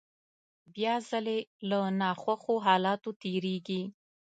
بيا ځلې له ناخوښو حالاتو تېرېږي.